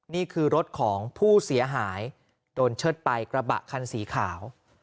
นี่คือรถของผู้เสียหายโดนเชิดไปกระบะคันสีขาว